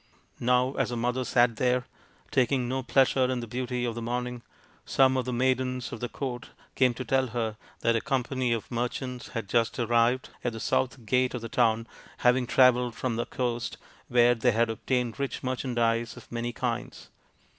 Now as the mother sat there, taking no pleasure in the beauty of the morning, some of the maidens of the court came to tell her that a company of merchants had just arrived at the south gate of the town, having travelled from the coast, where they had obtained rich merchandise of many kinds.